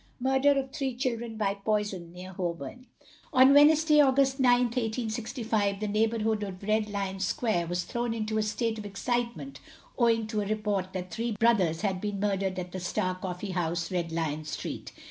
Murder of Three Children by Poison, near Holborn. On Wednesday, August 9th, 1865, the neighbourhood of Red Lion Square, was thrown into a state of excitement owing to a report that three brothers had been murdered at the Star coffee house, Red Lion street.